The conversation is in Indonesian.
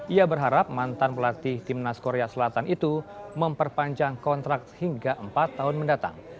ia berharap mantan pelatih timnas korea selatan itu memperpanjang kontrak hingga empat tahun mendatang